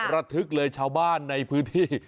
ระทึกเลยชาวบ้านในพื้นที่